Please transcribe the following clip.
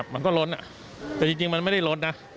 มันก็ล้นแต่จริงมันไม่ได้ล้นนะ